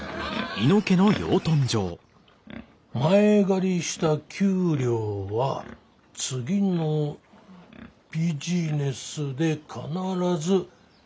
「前借りした給料は次のビジネスで必ず」。